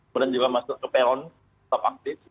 kemudian juga masuk ke peron tetap aktif